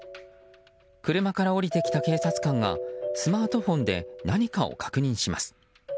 車から降りてきた警察官はスマートフォンで何かを確認します。